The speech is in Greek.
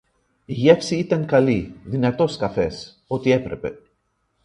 Η γεύση ήταν καλή, δυνατός καφές, ότι έπρεπε